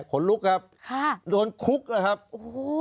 ขนลุกครับค่ะโดนคุกนะครับโอ้โห